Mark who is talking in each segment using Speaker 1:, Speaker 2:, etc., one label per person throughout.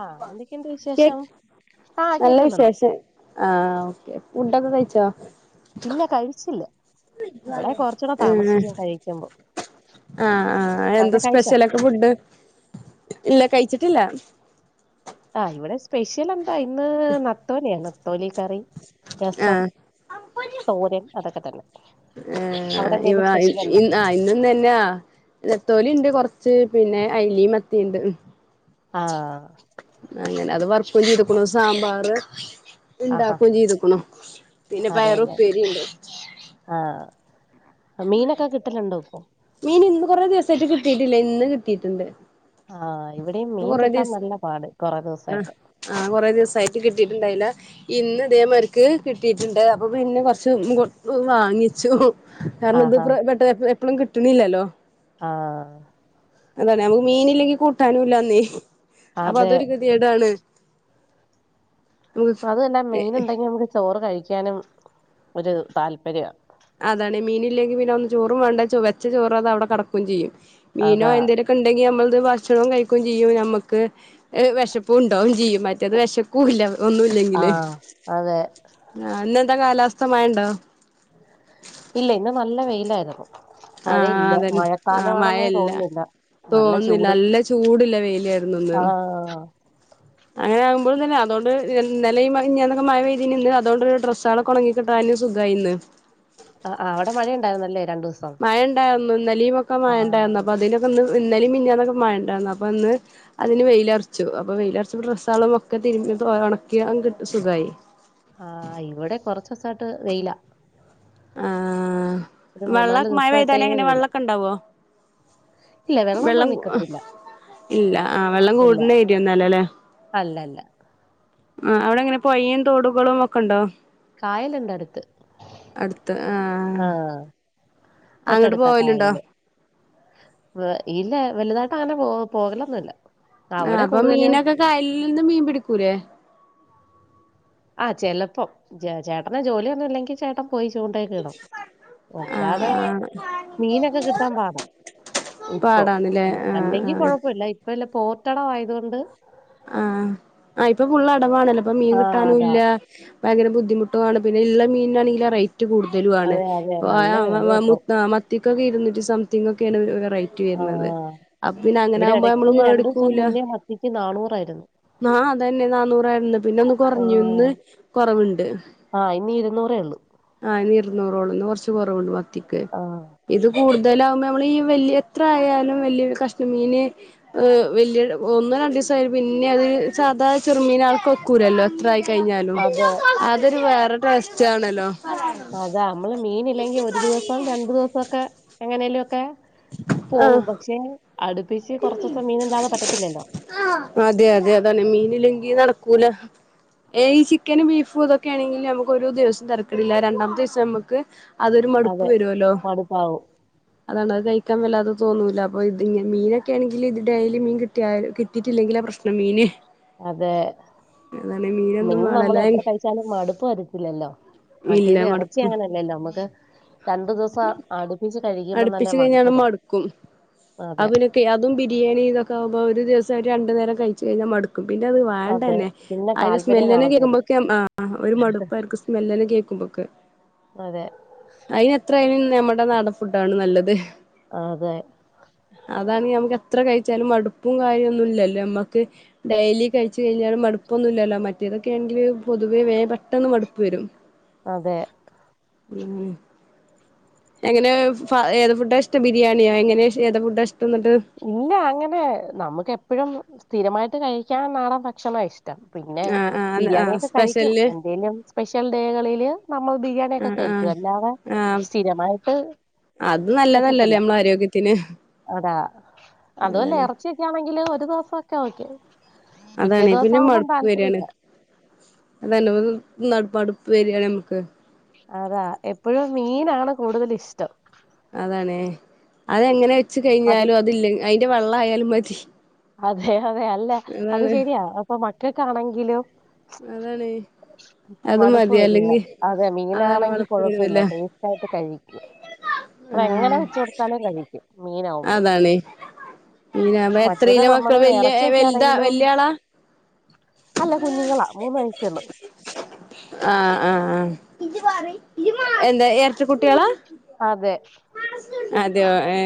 Speaker 1: ആഹ് എന്തൊക്കെയുണ്ട്
Speaker 2: കേ
Speaker 1: വിശേഷം ആഹ്
Speaker 2: നല്ല
Speaker 1: കേക്കുന്നുണ്ട്
Speaker 2: വിശേഷം ആഹ് ഓക്കെ ഫുഡൊക്കെ കഴിച്ചോ?
Speaker 1: ഇല്ല കഴിച്ചില്ല
Speaker 2: മ്മ്
Speaker 1: ഇവിടെ കൊറച്ചൂടെ
Speaker 2: ആഹ്
Speaker 1: താമസിക്കും കഴിക്കുമ്പോ
Speaker 2: ആഹ് ആഹ് എന്താ
Speaker 1: അവിടെ കഴിച്ചോ
Speaker 2: സ്പെഷലൊ ക്കെ ഫുഡ് ഇല്ല കഴിച്ചിട്ടില്ല
Speaker 1: ആഹ് ഇവിടെ സ്പെഷ്യൽ എന്താ ഇന്ന് നത്തോലിയാ നത്തോലി കറി രസം
Speaker 2: ആഹ്
Speaker 1: തോരൻ അതൊക്കെ തന്നെ അവിടെ
Speaker 2: ഏഹ് ഇവ
Speaker 1: എന്തേലും സ്പെഷ്യൽ ഉണ്ടോ
Speaker 2: ഈ ആഹ് ഇന്നും തന്നെ നാത്തോലി ഉണ്ട് കൊറച്ച് പിന്നെ അയിലേ മത്തിണ്ട്
Speaker 1: ആഹ്
Speaker 2: അങ്ങനെ അത് വർക്കും ചെയ്തുക്കണു സാമ്പാറ്
Speaker 1: ആഹാ
Speaker 2: ഉണ്ടാക്കു ചെയ്തുക്കണു പിന്നെ പയർ
Speaker 1: അതെല്ലേ
Speaker 2: ഉപ്പേരിണ്ട്
Speaker 1: ആഹ് മീനൊക്കെ കിട്ടലുണ്ടോ ഇപ്പൊ
Speaker 2: മീൻ ഇന്ന് കുറേ ദിവസയിട്ട് കിട്ടിയിട്ടില്ലേ ഇന്ന് കിട്ടിയിട്ടുണ്ട്
Speaker 1: ആഹ് ഇവിടെയും
Speaker 2: ഇപ്പൊ
Speaker 1: മീൻ
Speaker 2: കൊറേ
Speaker 1: കിട്ടാൻ
Speaker 2: ദിവസം
Speaker 1: നല്ല പാട് കുറേ ദിവസ
Speaker 2: ആഹ്
Speaker 1: ആയിട്ട്
Speaker 2: ആഹ് കുറേ ദിവസായിട്ട് കിട്ടിട്ടുണ്ടായില്ല ഇന്ന് ഇതേമാരിക്ക് കിട്ടിയിട്ടുണ്ട് അപ്പൊ പിന്നെ കൊറച്ച് വാങ്ങിച്ചു കാരണം ഇത്
Speaker 1: ആഹാ
Speaker 2: പ്രെ പെട്ട എപ്പളും കിട്ടണില്ലല്ലോ
Speaker 1: ആഹ്
Speaker 2: അതാണ് നമുക്ക് മീനില്ലെങ്കി കൂട്ടാനുല്ലന്നേ അപ്പൊ
Speaker 1: അതെ
Speaker 2: അതൊരു ഗതികേടാണ് നമുക്ക്
Speaker 1: അത് തന്നെ മീൻ ഉണ്ടെങ്കി നമുക്ക് ചോറ് കഴിക്കാനും ഒരു താല്പര്യ
Speaker 2: അതാണ് മീൻ ഇില്ലെങ്കിൽ പിന്നെ ഒന്ന് ചോറും വേണ്ട വെച്ചോറ് അത് അവിടെ കടക്കുകയും ചെയ്യും മീനോ
Speaker 1: അതാ
Speaker 2: എന്തേലും ണ്ടെങ്കിൽ നമ്മളത് ഭക്ഷണം കഴിക്കുകയും ചെയ്യും നമുക്ക് വെശപ്പും ഉണ്ടാവും ചെയ്യും മറ്റേത് വെശ പ്പുല്ല ഒന്നുല്ലെങ്കില്
Speaker 1: ആഹ് അതെ
Speaker 2: ഇന്നെന്താ കാലാവസ്ഥ മഴണ്ടോ
Speaker 1: ഇല്ല ഇന്ന് നല്ല വെയിലായിരുന്നു
Speaker 2: ആഹ്
Speaker 1: മഴയില്ല
Speaker 2: അതന്നെ ആഹ്
Speaker 1: മഴക്കാലമാണെന്നേ
Speaker 2: മഴല്ല
Speaker 1: തോന്നുന്നില്ല നല്ല
Speaker 2: തോന്നുന്നില്ല
Speaker 1: ചൂട്
Speaker 2: നല്ല ചൂടുള്ള വെയിലായിരുന്നൂന്ന്.
Speaker 1: ആഹ്
Speaker 2: അങ്ങനെകുമ്പോഴന്നേ അതുകൊണ്ട് ഇന്നലിം മിഞ്ഞാന്നൊക്കെ മഴ പെയ്തീനി അതൊണ്ട് ഡ്രസ്സകളൊക്കെ ഒണങ്ങി കിട്ടാൻ സുഖായി ഇന്ന്
Speaker 1: അഹ് അവിടെ മഴയണ്ടായിരുന്നല്ലേ രണ്ടു ദിവസം
Speaker 2: മഴ ഉണ്ടായിരുന്നു ഇന്നെലെയു ഒക്കെ മഴ
Speaker 1: ആഹ്
Speaker 2: ഉണ്ടായിരുന്നു അപ്പൊ അതിനൊക്കെ ഇന്ന് ഇന്നെലെയു മിഞ്ഞാലാനൊക്കെ മഴണ്ടായിരുന്നു അപ്പൊ ഇന്ന് ആയില് വെയിലറച്ചു അപ്പൊ വെയിലറച്ചു ഡ്രസ്സാളക്കെ തിരുമ്പി ഉണക്കി കിട്ടും സുഖായി
Speaker 1: അഹ് ഇവിടെ കൊറച്ച ദിവസായിട്ട് വെയില
Speaker 2: അഹ്
Speaker 1: ഒരു
Speaker 2: വെള്ള
Speaker 1: മൂന്നാല്
Speaker 2: മഴ
Speaker 1: ദിവസായിട്ടേ
Speaker 2: പെയ്താലേ എങ്ങനെ
Speaker 1: വെയിലാ
Speaker 2: വെള്ളക്കെ ഉണ്ടാവോ
Speaker 1: ഇല്ല വെള്ളമൊന്നും
Speaker 2: വെള്ളം
Speaker 1: നിക്കത്തില്ല
Speaker 2: ഇല്ല അഹ് വെള്ളം കൂടുന്ന ഏരിയ ഒന്നല്ല അല്ലേ
Speaker 1: അല്ലല്ല
Speaker 2: അഹ് അവിടെ എങ്ങനെ പൊഴിം തോടുകളും ഒക്കെ ഉണ്ടോ
Speaker 1: കായലുണ്ട് അടുത്ത്
Speaker 2: അടുത്ത് ആ
Speaker 1: ആഹ്
Speaker 2: അങ്ങോട്ട്
Speaker 1: തൊട്ടടുത്താ
Speaker 2: പോവലുണ്ടോ
Speaker 1: കായല് വേ ഇല്ല വലുതായിട്ട് അങ്ങനെ പോ പോകലൊന്നുല്ല
Speaker 2: അഹ് അപ്പൊ മീനൊക്കെ കായലിൽ നിന്ന് മീൻ പിടിക്കൂലേ
Speaker 1: അഹ് ചെലപ്പോം ചേട്ടൻ ജോലിയൊന്നുല്ലെങ്കിൽ ചേട്ടൻ പോയി ചൂണ്ടേക്ക് ഇടും
Speaker 2: ആ
Speaker 1: അല്ലാതെ
Speaker 2: ആ
Speaker 1: മീനൊക്കെ കിട്ടാൻ പാടാ ഇപ്പൊ
Speaker 2: പാടാണല്ലേ ആ ആ
Speaker 1: അല്ലെങ്കിൽ കൊഴപ്പില്ല ഇപ്പ എല്ല പോർട്ടട ആയതൊണ്ട്
Speaker 2: ആഹ് ആഹ് ഇപ്പൊ ഫുള്ള അടവാണല്ലോ ഇപ്പൊ മീൻ
Speaker 1: ആ അതാ.
Speaker 2: കിട്ടാനുല്ല ഭയങ്കര ബുദ്ധിമുട്ടുവാണ് പിന്നെയിള്ള മീനിനാണെങ്കില് റേ റ്റും കൂടുതലുവാണ്
Speaker 1: അതെ അതെ. നല്ല വെലയാ ഇപ്പൊ.
Speaker 2: അ മത്തിക്കക്കെ ഇരുന്നിറ്റി സംതിങ്ങക്കെയാണ് ഒരു റേ റ്റ്
Speaker 1: ആ.
Speaker 2: വരുന്നത് അപ്പപ്പിന്നെ അങ്ങനാമ്പ നമ്മള് മേടിക്കൂല
Speaker 1: എനിക്ക് നാനൂറായിരുന്നു
Speaker 2: ആ അതന്നെ നാന്നൂറായിരുന്നു പിന്നൊന്ന്
Speaker 1: ആ.
Speaker 2: കൊറഞ്ഞുന്ന് കൊറവുണ്ട്
Speaker 1: ആ ഇന്ന് ഇരുന്നൂറേള്ളൂ
Speaker 2: ആ ഇന്ന് ഇരുന്നൂറോള്ളു ഇന്ന് കൊറച്ച് കൊറവുണ്ട് മത്തി
Speaker 1: ആഹ്
Speaker 2: ഇത് കൂടുതലാമ്പ നമ്മളീ വല്യ എത്ര ആയാലും വല്യരു കഷ്ണം മീന് ഏ വല്ല്യട ഒന്നോ രണ്ടിസായി പിന്നെ അത് സാധാ ചെറുമീൻ ആൾക്കൊക്കൂലല്ലോ അത്രയാ കഴിഞ്ഞാലും
Speaker 1: അതെ.
Speaker 2: അതൊരു വേറെ ടെസ്റ്റ് ആണല്ലോ
Speaker 1: അതാ നമ്മള് മീനില്ലെങ്കി ഒരു ദിവസം രണ്ടു ദിവസൊക്കെ എങ്ങനെലൊക്കെ
Speaker 2: ആഹ്
Speaker 1: പോവും പക്ഷെ അടുപ്പിച്ച് കൊറച്ചുസം മീനില്ലാതെ പറ്റത്തില്ലല്ലോ
Speaker 2: അതെ അതെ അതാണ് മീനിലെങ്കി നടക്കൂല ഏ ഈ ചിക്കനും ബീഫും ഇതൊക്കെയാണെങ്കില് നമുക്കൊരു ദിവസം തിരക്കടില്ല രണ്ടാമത്തെ ദിവസം നമക്ക് അതൊരു മടുപ്പ്
Speaker 1: അതെ.
Speaker 2: വരൊല്ലോ
Speaker 1: മടുപ്പാവും.
Speaker 2: അതാണ് അത് ക ക്കാൻ വല്ലാതെ തോന്നൂല അപ്പയതി മീനക്കെ ആണെങ്കിലിത് ഡെയിലി മീൻ കിട്ടിയാലും കിട്ടിയിട്ടില്ലെങ്കിലാ പ്രശ്നം മീന്
Speaker 1: അതെ.
Speaker 2: അതാണ് മീനെന്നും വേണല്ലേ
Speaker 1: ച്ചാലും മടുപ്പ് വരുത്തില്ലല്ലോ
Speaker 2: ഇല്ല
Speaker 1: മറ്റേത് എറച്ചി
Speaker 2: മടുപ്പ്
Speaker 1: അങ്ങനെ അ യല്ലല്ലൊ നമുക്ക് രണ്ടു ദിവസം അടുപ്പിച്ച് കഴിക്കുമ്പം തന്നെ
Speaker 2: അടുപ്പിച്ച്
Speaker 1: മടുപ്പ്
Speaker 2: കഴിഞ്ഞാത്
Speaker 1: തോന്നും
Speaker 2: മടുക്കും
Speaker 1: അതെ
Speaker 2: അപ്പപ്പിന്നെ കെ അതും ബിരിയാണി ഇതൊക്കെകുമ്പ ഒരു ദിവസം രണ്ട് നേരം കഴിച്ച് കഴിഞ്ഞാ മടുക്കും പിന്നെത്
Speaker 1: അതെ
Speaker 2: വേണ്ടന്നെ
Speaker 1: പിന്നെ
Speaker 2: അയിന്റെ
Speaker 1: താല്പര്യം
Speaker 2: സ്മെല്ല് തന്നെ
Speaker 1: കാണത്തില്ല
Speaker 2: കേക്കുമ്പോക്ക ആഹ് ഒരു മടുപ്പർക്ക് സ്മെല് തന്നെ കേക്കുമ്പോക്കെ
Speaker 1: അതെ
Speaker 2: അതിനെത്ര ആയാലും നമ്മടെ നാട ഫുഡാണ് നല്ലത്
Speaker 1: അതെ
Speaker 2: അതാണെ നമുക്കെത്ര കഴിച്ചാലും മടുപ്പും കാര്യന്നുയില്ലല്ലോ നമ്മക്ക് ഡെയിലി കഴിച്ച കഴിഞ്ഞാല് മടുപ്പൊന്നുയില്ലല്ലോ മറ്റേതൊക്കെയാണെങ്കില് പൊതുവേ വേ പെട്ടെന്ന് മടുപ്പ് വരും
Speaker 1: അതെ
Speaker 2: മ്മ് എങ്ങനെയാ ഫ ഏത് ഫുഡാ ഇഷ്ട ബിരിയാണിയോ എങ്ങനെ ഏത് ഫുഡാ ഇഷ്ടന്നട്ട്
Speaker 1: ഇല്ല അങ്ങനെ നമക്ക് എപ്പഴും സ്ഥിരമായിട്ട് കഴിക്കാൻ നാടൻ ഭക്ഷണം ഇഷ് ടം പിന്നെ
Speaker 2: ആഹ് ആഹ് ആഹ്
Speaker 1: ബിരിയാണിയക്കെ കഴിക്കും
Speaker 2: സ്പെഷ്യല്
Speaker 1: എന്തേലും സ്പെഷ്യൽ ഡേകളില് നമ്മൾ ബിരിയാണിയക്കെ
Speaker 2: ആഹ്
Speaker 1: കഴിക്കും
Speaker 2: ആഹ്
Speaker 1: അല്ലാതെ
Speaker 2: ആഹ്
Speaker 1: സ്ഥിരമായിട്ട്
Speaker 2: അത് നല്ലതല്ലല്ലേ
Speaker 1: പറ്റത്തില്ല
Speaker 2: നമ്മളാരോഗ്യത്തിന്
Speaker 1: അതാ അതുവല്ല എറച്ചിയൊക്കെയാണെങ്കില് ഒരു ദിവസൊക്കെ ഓക്കെ പിറ്റേ
Speaker 2: അതാണ്
Speaker 1: ദിവസം
Speaker 2: പിന്നെ
Speaker 1: ആവുമ്പം
Speaker 2: മടുപ്പ് വരെയാണ്
Speaker 1: താല്പര്യമില്ല
Speaker 2: അതന്നെഒന്ന് തിന്നണ്ട് മടുപ്പ് വരാണ് നമക്ക്
Speaker 1: അതാ എപ്പഴും മീനാണ് കൂടുതലിഷ്ടം
Speaker 2: അതാണേ അതെങ്ങനെ വെച്ച്
Speaker 1: അത്
Speaker 2: കയിഞ്ഞാലും അതില്ല അതിന്റെ വെള്ളയാലും മതി
Speaker 1: അതെ അതെ അല്ല അത്
Speaker 2: അതാണ്
Speaker 1: ശരിയാ അപ്പ മക്കക്കാണെങ്കിലും
Speaker 2: അതാണ് അത്
Speaker 1: മടുപ്പ്
Speaker 2: മതി
Speaker 1: വരിക
Speaker 2: അല്ലെങ്കി
Speaker 1: അതെ
Speaker 2: അതാണ്
Speaker 1: മീനാണെങ്കി
Speaker 2: മടക്ക്
Speaker 1: കൊഴപ്പല്ല
Speaker 2: വരൂല
Speaker 1: ടെസ്റ്റായിട്ട് കഴിക്കും അതെങ്ങനെ
Speaker 2: ആഹ്
Speaker 1: വെച്ച് കൊടുത്താലും കഴിക്കും മീനാവുമ്പ
Speaker 2: അതാണ് അപ്പൊ
Speaker 1: മറ്റേത്
Speaker 2: എത്രയില മക്കൾ
Speaker 1: നമ്മള്
Speaker 2: വല്യ വലുതാ
Speaker 1: എറച്ചിക്കാണെങ്കിലും
Speaker 2: വല്യ ആളാ
Speaker 1: അല്ല കുഞ്ഞുങ്ങളാ മൂന്ന് വയസ്സെയുള്ളൂ
Speaker 2: ആഹ് ആ ഹ് ആഹ് എന്താ എരട്ട കുട്ടികളാ
Speaker 1: അതെ
Speaker 2: അതെയോ ഏ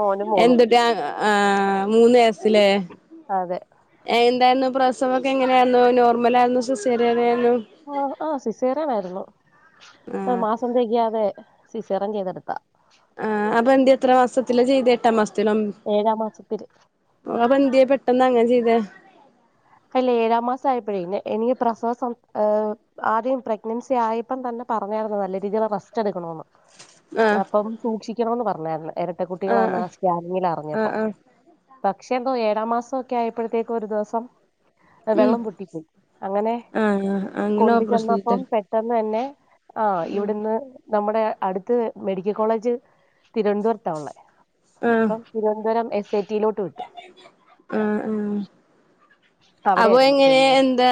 Speaker 1: മോനും മോളും
Speaker 2: എന്തട്ട് ആഹ് മൂന്ന് വയസ്സിലെ
Speaker 1: അതെ
Speaker 2: എന്തായിരുന്നു പ്രസവക്കെ എങ്ങനെയ ആയിരുന്നു നോർമലയിരുന്നു സിസേറിയനായിരുന്നു
Speaker 1: ആഹ് ആഹ് സിസേറൻ ആരുന്നു
Speaker 2: ആഹ്
Speaker 1: മാസം തികിയാതെ സിസേറിയൻ ചെയ്തെടുത്താ
Speaker 2: ആഹ് അപ്പൊ എന്ത് എത്ര മാസത്തില ചെയ്തേ എട്ടാം മാസത്തിലൊ
Speaker 1: ഏഴാം മാസത്തില്
Speaker 2: ഉം അപ്പെന്തിയെ പെട്ടെന്നങ്ങനെ ചെയ്ത
Speaker 1: അല്ല ഏഴാമാസം ആയപ്പോഴേ എനിക്ക് പ്രസവ ഏഹ് ആദ്യം പ്രഗ്നൻസി ആയപ്പം തന്നെ പറഞ്ഞായിരുന്നു നല്ല രീതിയില് റെസ്റ്റ് എടുക്കണമന്ന്
Speaker 2: ആഹ്
Speaker 1: അപ്പം സൂക്ഷിക്കണന്ന് പറഞ്ഞായിരുന്ന് ഇരട്ട കുട്ടികളാന്ന
Speaker 2: ആഹ്
Speaker 1: സ്കാനിങ്ങിൽ
Speaker 2: ആഹ്
Speaker 1: അറിഞ്ഞപ്പം
Speaker 2: ആഹ്
Speaker 1: പക്ഷെ എന്തോ ഏഴാം മാസക്കെ ആയപ്പോഴത്തേക്കും ഒരു ദവസം
Speaker 2: ഉം
Speaker 1: വെള്ളം പൊട്ടിപ്പോയി അങ്ങനെ
Speaker 2: ആഹ് അങ്ങനെ
Speaker 1: കൊണ്ടു
Speaker 2: ഓപ്പറേഷൻ
Speaker 1: ചെന്നപ്പം
Speaker 2: തിയേറ്റർ
Speaker 1: പെട്ടെന്ന് തന്നെ ആഹ് ഇവിടുന്ന് നമ്മുടെ അടുത്ത് മെഡിക്കൽ കോളേജ് തിരുവനന്തപുരത്താള്ളെ
Speaker 2: ആഹ്
Speaker 1: അപ്പം തിരുവനന്തപുരം എ സ് ഐ ടിയിലോട്ട് വിട്ട്
Speaker 2: ആഹ് ആഹ് അപ്പൊ
Speaker 1: അവിടെയായിരുന്നു
Speaker 2: എങ്ങനെ
Speaker 1: ഡെലിവറി
Speaker 2: എന്താ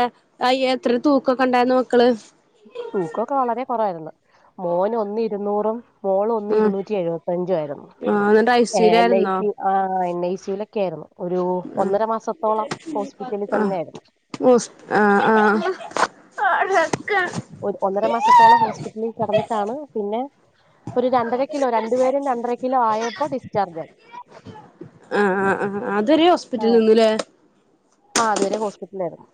Speaker 2: അയ്യ എത്ര തൂക്കൊക്കെണ്ടായിന്നു മക്കള്
Speaker 1: തൂക്കൊക്കെ വളരെ കൊറവായിരുന്നു മോന് ഒന്നേ ഇരുന്നൂറും മോള് ഒന്നേ
Speaker 2: ആഹ്
Speaker 1: ഇരുന്നൂറ്റി എഴുപത്തഞ്ചു ആയിരുന്നു
Speaker 2: ആഹ് എന്നിട്ട് ഐ സി
Speaker 1: എ ലൈഫ
Speaker 2: യുലായിരുന്നോ
Speaker 1: ആഹ് എൻ ഐ സിയിലൊക്കെ ആയിരുന്നു ഒരു ഒന്നര മാസത്തോളം ഹോസ്പിറ്റലിൽ തന്നെയ ആയിരുന്നു
Speaker 2: ഉസ് ആഹ് ആഹ്
Speaker 1: ഒന്നര മാസത്തോളം ഹോസ്പിറ്റലിൽ കെടന്നിട്ടാണ് പിന്നെ ഒരു രണ്ടര കിലോ രണ്ടുപേരും രണ്ടര കിലോ ആയപ്പോ ഡിസ്ചാർജ് ആയി
Speaker 2: ആഹ് ആഹ് ആഹ് അതരേ ഹോസ്പിറ്റല് നിന്നുല്ലേ
Speaker 1: ആഹ് അതുവരെ ഹോസ്പിറ്റലിലായിരുന്നു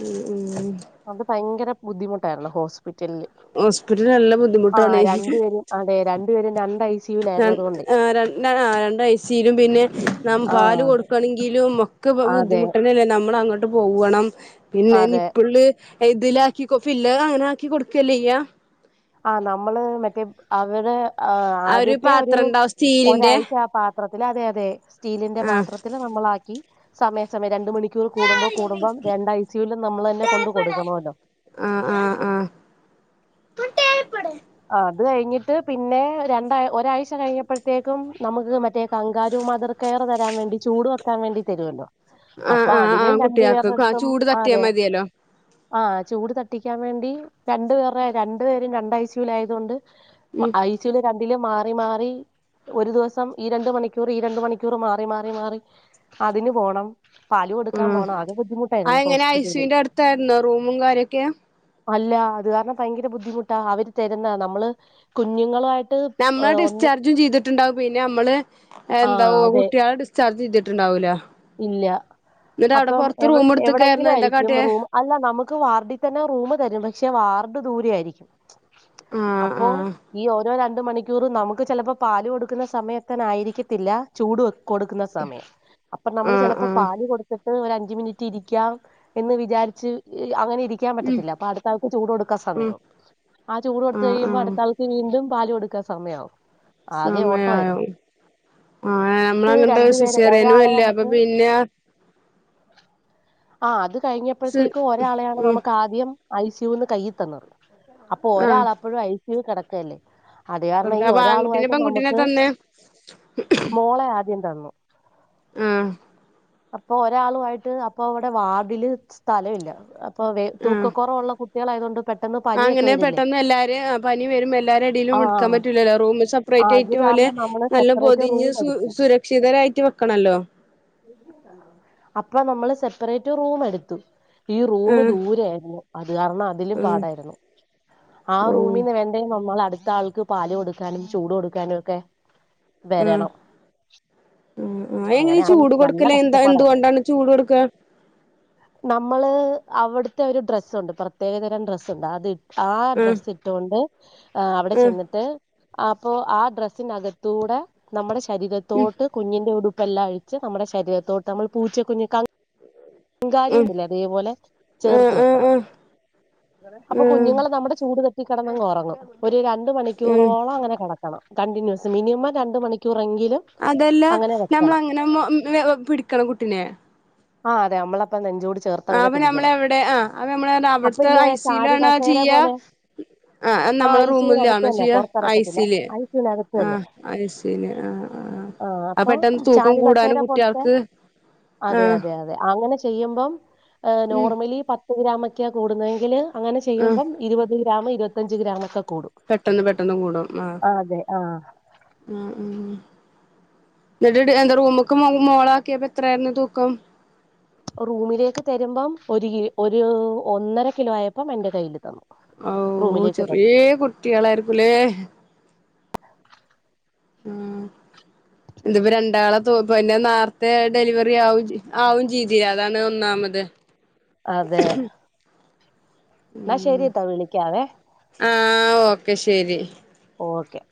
Speaker 2: ഉം ഉം
Speaker 1: അത് ഭയങ്കര ബുദ്ധിമുട്ടായിരുന്നു ഹോസ്പിറ്റലില്
Speaker 2: ഹോസ്പിറ്റലിൽ നല്ല
Speaker 1: ആ
Speaker 2: ബുദ്ധിമുട്ടാണെയ്
Speaker 1: രണ്ടുപേരും അതെ രണ്ടുപേരും രണ്ട് ഐസി
Speaker 2: രണ്ട രണ്ടയ്സിയിലും പിന്നെ ന
Speaker 1: ആ
Speaker 2: പാല് കൊടുക്കണങ്കിലും ക്കെ
Speaker 1: അതെ
Speaker 2: ബുദ്ധിമുട്ടന്നല്ലേ നമ്മൾ അങ്ങോട്ട് പോവണം പിന്നെ
Speaker 1: അതെ
Speaker 2: നിപ്പള്ള് ഇതിലാക്കി ഫിലർ അങ്ങനെ ആക്കി കൊടുക്കല്ലേയ്യ
Speaker 1: ആഹ് നമ്മള് മറ്റേ അവരെ ആഹ്
Speaker 2: ആ
Speaker 1: ആദ്യത്തെ ഒരു
Speaker 2: പാത്രം ഉണ്ടാവും സ്റ്റീലിന്റെ
Speaker 1: ഒരാഴ്ച ആ പാത്രത്തിൽ അതെ അതെ സ്റ്റീലിന്റെ
Speaker 2: ആഹ്
Speaker 1: പാത്രത്തിൽ നളാക്കി സമയ സമയം രണ്ട് മണി ക്യൂർ കൂടുമ്പോ കൂടുമ്പോം രണ്ട ഐസ്യൂലും നമ്മള് തന്നെ കൊടുക്കണൊല്ലോ
Speaker 2: ആഹ് ആഹ് ആഹ്
Speaker 1: ആഹ് അത് കഴിഞ്ഞിട്ട് പിന്നെ രണ്ട ഒരാഴ്ച ഴ്‌ച്ച കഴിഞ്ഞപ്പോഴത്തേക്കും നമുക്ക് മറ്റേ കങ്കാറു മതിർ കയർ തരാൻ വേണ്ടി ചൂട് വക്കാൻ വേണ്ടി തരുല്ലോ
Speaker 2: ആഹ്
Speaker 1: അപ്പൊ
Speaker 2: ആഹ്
Speaker 1: അതിനും
Speaker 2: ആഹ്
Speaker 1: രണ്ടു
Speaker 2: കുട്ടികൾക്ക് ആ
Speaker 1: പേരടുത്തും
Speaker 2: ചൂട് തട്ടിയാ
Speaker 1: ആതെ
Speaker 2: മതിയല്ലോ
Speaker 1: ആഹ് ചൂട് തട്ടിക്കാൻ വേണ്ടി രണ്ടുപേറെ രണ്ടു പേരും രണ്ട ഐസ്യുൽ ആയതുകൊണ്ട്
Speaker 2: ഉം
Speaker 1: ഐസിയു രണ്ടിലും മാറി മാറി ഒരു ദിവസം ഈ രണ്ട് മണിക്കൂർ ഈ രണ്ട് മണിക്കൂർ മാറി മാറി മാറി അതിന് പോണം പാലു കൊടുക്കാൻ
Speaker 2: ആഹ്
Speaker 1: പോണ ആകെ
Speaker 2: ആ
Speaker 1: ബുദ്ധിമുട്ടായിരുന്നു
Speaker 2: എങ്ങനെ
Speaker 1: ഹോസ്പിറ്റലിൽ
Speaker 2: ഐസുവിന്റെ അടുത്തായിരുന്നോ റൂമും കാര്യൊക്കെ
Speaker 1: അല്ല അത് കാരണം ഭയങ്കര ബുദ്ധിമുട്ടാ അവര് തരുന്ന നമ്മള് കുഞ്ഞുങ്ങളായിട്ട്
Speaker 2: ഞമ്മളെ ഡിസ്ചാർജും ചെയ്തിട്ടുണ്ടാവും പിന്നെ നമ്മള്
Speaker 1: ആ
Speaker 2: എന്ത
Speaker 1: അതെ
Speaker 2: കുട്ടികളെ ഡി ചാർജ് ചെയ്തിട്ടുണ്ടാവൂല
Speaker 1: ഇല്ല
Speaker 2: എന്നിട്ട് അവിടെ
Speaker 1: അപ്പം
Speaker 2: പൊറത്ത്
Speaker 1: എവി
Speaker 2: റൂം എടുത്തക്കായിരുന്നു
Speaker 1: എവിടെങ്കിലും
Speaker 2: എന്താ
Speaker 1: ആയിരിക്കും
Speaker 2: കാട്ടിയേ
Speaker 1: റൂം അല്ല നമുക്ക് വാർഡിൽ തന്നെ റൂമ് തരും പക്ഷെ വാർഡ് ദൂരെയയിരിക്കും
Speaker 2: ആഹ്
Speaker 1: അപ്പോ
Speaker 2: ആഹ്
Speaker 1: ഈ ഓരോ രണ്ട് മണിക്കൂറും നമുക്ക് ചെലപ്പോ പാല് കൊടുക്കുന്ന സമയത്തനെ ആയിരിക്കത്തില്ല ചൂട് കൊടുക്ക്ന്ന സമയം അപ്പൊ നമ്മൾ
Speaker 2: ആഹ്
Speaker 1: ചെലപ്പോ
Speaker 2: ആഹ്
Speaker 1: പാല് കൊട്ത്ത്ട്ട് ഒരഞ്ച് മിനിറ്റ് ഇരിക്കാം എന്ന് വിചാരിച്ച് അങ്ങനെരി ക്ക്യാൻ
Speaker 2: ഉം
Speaker 1: പറ്റത്തില്ല അപ്പട്ത്താൾക്ക് ചൂടൊടുക്കാ
Speaker 2: ഉം
Speaker 1: സമയാവും ആ
Speaker 2: ആഹ്
Speaker 1: ചൂടൊടുത്തഴിയുമ്പോ
Speaker 2: ആഹ്
Speaker 1: അട്ത്താൾ വീണ്ടും പാല് കൊടുക്കാൻ സമയാവും ആകെ ഓട്ടമായിരുന്നു
Speaker 2: സമയാവും ആഹ് നമ്മളങ്ങട്ട് സിസേറിയനൊല്ല അപ്പൊ പിന്നെ
Speaker 1: ആഹ് അത്
Speaker 2: സി
Speaker 1: കഴിഞ്ഞപ്പത്തേക്കും ഒരാളെയാണ്
Speaker 2: ഉം
Speaker 1: നമുക്കാദ്യം എൈസ്യൂന്ന് കയ്യി തന്നത്
Speaker 2: ആഹ്
Speaker 1: അപ്പൊരാള അപ്പഴും എൈസ്യൂൽ കെടക്കെല്ലേ അത് കാരണം
Speaker 2: കൊടുക്ക
Speaker 1: ഈ
Speaker 2: അപ്പൊ ആൺകുട്ടീനെ
Speaker 1: ഒരാളുവായിട്ട്
Speaker 2: പെൺകുട്ടീനെ
Speaker 1: നമുക്ക്
Speaker 2: തന്നേ
Speaker 1: മോളെ ആദ്യം തന്നു
Speaker 2: ഉം
Speaker 1: അപ്പൊ ഒരാളുവായിട്ട് അപ്പൊ അവടെ വാർഡില് സ്ഥലല്ല അപ്പൊ വേ
Speaker 2: ആഹ്
Speaker 1: തൂക്കക്കൊറവുള്ള കു ട്ട്യാളയതോണ്ട്
Speaker 2: അങ്ങനെ പെട്ടെന്നെല്ലാരേം ആഹ് പനി വെരുമ്പോ
Speaker 1: ആ
Speaker 2: എല്ലാരെടേലും ഇട്ക്കാൻ പറ്റൂലല്ലോ റൂമ് സ പ്രൈയ്റ്റ്
Speaker 1: അത്
Speaker 2: അയ്റ്റ് ഓലെ
Speaker 1: കാരണം നമ്മള്
Speaker 2: നല്ലോം
Speaker 1: സെപ്പറേറ്റ്
Speaker 2: പൊതിഞ്ഞ്
Speaker 1: റൂം
Speaker 2: സു
Speaker 1: എടുത്തു
Speaker 2: സുരക്ഷിതരായിട്ട് വെക്കണല്ലോ
Speaker 1: അപ്പ നമ്മള് സെപ്പറേറ്റ് റൂമെടുത്തു ഈ റൂമ്
Speaker 2: ആഹ്
Speaker 1: ദൂരെയായ്ര്ന്നു അത് കാരണം അതിലും
Speaker 2: ആഹ്
Speaker 1: പാടായിരുന്നു ആഹ്
Speaker 2: ഓഹ്
Speaker 1: റൂമിന്ന് വെ ട്ടേം നമ്മള് അട്ത്താൾക്ക് പാല് കൊട്ക്കാനും ചൂട് കൊടുക്കാനൊക്കെ വെരണം
Speaker 2: ഉം എങ്ങനേ ഈ ചൂട്
Speaker 1: നല്ല
Speaker 2: കൊട്ക്കലെന്താ
Speaker 1: കഷ്ടപ്പാടായിരുന്നു
Speaker 2: എന്തുകൊണ്ടാണ് ചൂട് കൊടുക്ക?
Speaker 1: നമ്മള് അവെട്ത്തൊര് ഡ്രെസ്സുണ്ട് പ്രത്യേകതരം ഡ്രെസ്സ്ണ്ട് അതി ആഹ് ഡ്രെസ്സിട്ടോണ്ട് അവിടെ
Speaker 2: ആഹ്
Speaker 1: ചെന്നിട്ട് അപ്പൊ ആഹ് ഡ്രെസ്സിനകത്തൂടെ നമ്മടെ ശരീരത്തോട്ട് കുഞ്ഞിന്റെ ഉടു പ്പെല്ലാഴ്ച്ച് നമ്മടെ ശരീരത്തോട്ട് നമ്മള് പൂച്ച കുഞ്ഞ്
Speaker 2: ഉം
Speaker 1: ങ്കാരുണ്ടല്ലോ അതേപോലെ
Speaker 2: ആഹ്
Speaker 1: ചേർത്ത്
Speaker 2: ആഹ്
Speaker 1: വെക്കണം
Speaker 2: ആഹ് ആഹ്
Speaker 1: അപ്പൊ
Speaker 2: ആഹ്
Speaker 1: കുഞ്ഞുങ്ങള് നമ്മുടെ ചൂട് തട്ടി കെടന്നങ്ങ് ഉറങ്ങും ഒരു രണ്ട്
Speaker 2: ഉം
Speaker 1: മണിക്കൂറോളം അങ്ങനെ കെട കണം കണ്ടിന്യൂസ് മിനിമം രണ്ട് മണിക്കൂറെങ്കിലും
Speaker 2: അതെല്ലാ
Speaker 1: അങ്ങനെ വെക്കണം
Speaker 2: നമ്മളങ്ങനെ ആവുമ്പം പിടിക്കണം കുട്ടിനെ
Speaker 1: ആഹ് അതെ നമ്മളപ്പം നെഞ്ചോട് ചേർത്ത്
Speaker 2: ആഹ്
Speaker 1: അങ്ങനെ
Speaker 2: അപ്പൊ നമ്മള്
Speaker 1: പിടിക്കണം
Speaker 2: എവിടെ ആഹ് അപ്പ നമ്മള്
Speaker 1: അപ്പൊ
Speaker 2: അവിട്ത്തെ
Speaker 1: ഇല്ലെ ചാരു
Speaker 2: ഐസീലാണോ
Speaker 1: കസേര
Speaker 2: ചെയ്യാ?
Speaker 1: പോലെ
Speaker 2: ആഹ് നമ്മളെ
Speaker 1: ഐ സി യുവിനകത്ത്
Speaker 2: റൂമിലാണോ
Speaker 1: തന്നെ
Speaker 2: ചെയ്യാ
Speaker 1: പുറത്തിറക്കത്തില്ല
Speaker 2: ഐസില്
Speaker 1: ഐ സി യുവിനകത്ത് തന്നെ
Speaker 2: ആഹ് ഐസില് ആഹ് ആഹ്
Speaker 1: ആ
Speaker 2: അഹ്
Speaker 1: അപ്പൊ
Speaker 2: പെട്ടെന്ന് തൂക്കം
Speaker 1: ചാരു കസേര
Speaker 2: കൂടാനും
Speaker 1: പോലത്തെ
Speaker 2: കുട്ട്യാൾക്ക്
Speaker 1: അതെ
Speaker 2: ആഹ്
Speaker 1: അതെ അതെ അങ്ങനെ ചെയ്യുമ്പം
Speaker 2: ഉം
Speaker 1: നോർമലി പത്ത് ഗ്രാമൊക്കെയാ കൂടുന്നതെങ്കില് അങ്ങനെ
Speaker 2: ആഹ്
Speaker 1: ചെയ്യുമ്പം ഇരുപത് ഗ്രാമ് ഇരുപത്തഞ്ച് ഗ്രാമൊക്കെ കൂടും
Speaker 2: പെട്ടെന്ന് പെട്ടെന്ന് കൂടും ആഹ്
Speaker 1: ആ, അതെ ആഹ്
Speaker 2: ഉം ഉം ന്നട്ട് എന്താ റൂമ്ക്കെ മോളാക്കിയപ്പെ എത്രായ്ര്ന്നു തൂക്കം
Speaker 1: റൂമിലേക്ക് തെരുമ്പം ഒര് കി ഒരു ഒന്നര കിലോ ആയപ്പം എന്റെ കയ്യിൽ തന്നു
Speaker 2: ഔ
Speaker 1: റൂമിലേക്ക്
Speaker 2: ചെറേ
Speaker 1: തന്നു
Speaker 2: കുട്ട്യാളായ്രിക്കുലേ ത്പ്പം രണ്ടാളെ തൂക്ക ഇപ്പെ നേര്ത്തെ ഡെലിവെറി ആവും ചെയ് ആവും ചെയ്തിലേ അതാണ് ഒന്നാമത്
Speaker 1: അതെ എന്നാ
Speaker 2: ഉം
Speaker 1: ശരിട്ടോ വിളിക്കാവേ
Speaker 2: ആഹ് ഓക്കെ ശരി
Speaker 1: ഓക്കെ